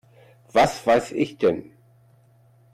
Was weiß ich denn?